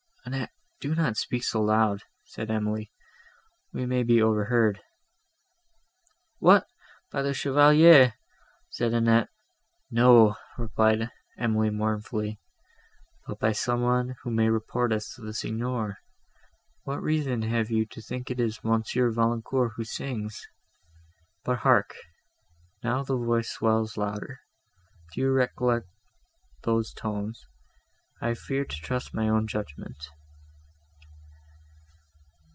Annette, do not speak so loud," said Emily, "we may be overheard." "What! by the Chevalier?" said Annette. "No," replied Emily mournfully, "but by somebody, who may report us to the Signor. What reason have you to think it is Monsieur Valancourt, who sings? But hark! now the voice swells louder! Do you recollect those tones? I fear to trust my own judgment."